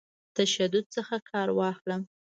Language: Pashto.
تشدد څخه کار واخلم.